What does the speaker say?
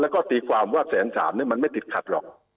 แล้วก็ตีความว่าแสนสามมันไม่ติดขัดหรอก